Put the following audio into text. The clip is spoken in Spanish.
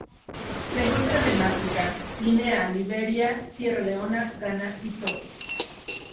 Se encuentran en África: Guinea, Liberia, Sierra Leona, Ghana y Togo.